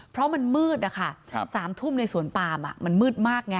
เพราะมันมืดอ่ะค่ะครับสามทุ่มในสวนปามอ่ะมันมืดมากไง